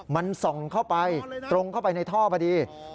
มันส่องเข้าไปตรงเข้าไปในท่อพอดี